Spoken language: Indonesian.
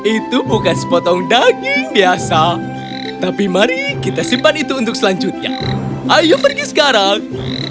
itu bukan sepotong daging biasa tapi mari kita simpan itu untuk selanjutnya ayo pergi sekarang